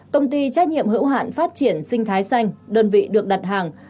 công ty trách nhiệm hữu hạn phát triển sinh thái xanh đơn vị được đặt hàng